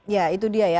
ya itu dia ya